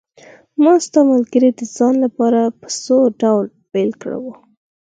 ما ستا ملګري د ځان لپاره په څو ډلو بېل کړي وو.